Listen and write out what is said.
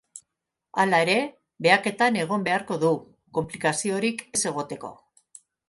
Hala ere, behaketan egon beharko du, konplikaziorik ez egoteko.